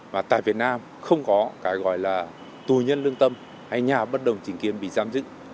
và tại việt nam không có cái gọi là tù nhân lương tâm hay nhà bất đồng trình kiến bị giam giữ